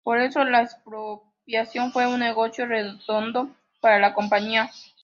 Por eso la expropiación fue un negocio redondo para la compañía.